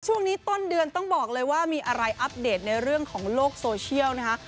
ต้นเดือนต้องบอกเลยว่ามีอะไรอัปเดตในเรื่องของโลกโซเชียลนะคะ